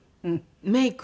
メイク